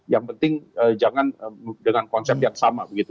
yang penting jangan dengan konsep yang sama begitu